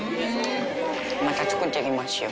また作ってきますよ。